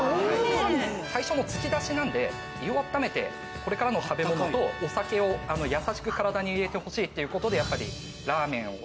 最初の突き出しなんで胃をあっためてこれからの食べ物とお酒を優しく体に入れてほしいっていう事でやっぱりラーメンを。